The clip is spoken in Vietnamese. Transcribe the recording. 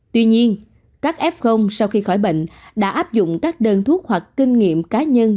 tuy nhiên các f sau khi khỏi bệnh đã áp dụng các đơn thuốc hoặc kinh nghiệm cá nhân